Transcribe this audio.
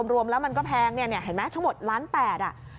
รวมแล้วมันก็แพงเนี่ยเห็นไหมทั้งหมดล้าน๘อ่ะ